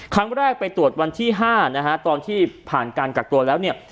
ครั้งแรกไปตรวจวันที่๕นะฮะตอนที่ผ่านการกักตัวแล้วเนี่ย